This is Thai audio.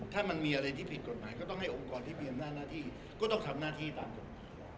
ถ้ามันมีอะไรที่ผิดกฎหมายก็ต้องให้องค์กรที่มีอำนาจหน้าที่ก็ต้องทำหน้าที่ตามกฎ